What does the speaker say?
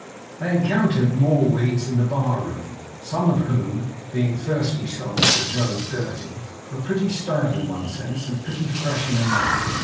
They encountered more weeds in the bar room, some of whom (being thirsty souls as well as dirty) were pretty stale in one sense, and pretty fresh in another.